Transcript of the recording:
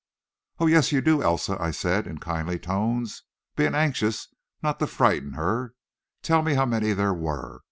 "Oh, yes, you do, Elsa," I said in kindly tones, being anxious not to frighten her; "tell me how many there were.